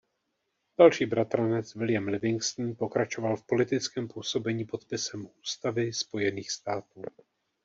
Další bratranec William Livingston pokračoval v politickém působení podpisem ústavy Spojených států.